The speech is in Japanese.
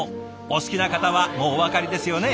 お好きな方はもうお分かりですよね。